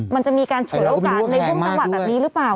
มันจะมีการเฉลี่ยโอกาสในพรุ่งตะวัดแบบนี้หรือเปล่า